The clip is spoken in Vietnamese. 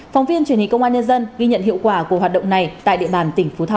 phóng viên truyền hình công an nhân dân ghi nhận hiệu quả của hoạt động này tại địa bàn tỉnh phú thọ